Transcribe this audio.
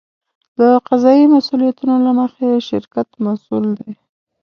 د قضایي مسوولیتونو له مخې شرکت مسوول دی.